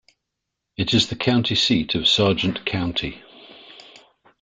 It is the county seat of Sargent County.